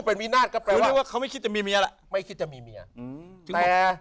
เป็นวินาศก็แปลว่าเขาไม่คิดจะมีเมียแหละไม่คิดจะมีเมียอืม